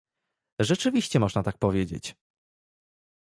Rzeczywiście można tak powiedzieć!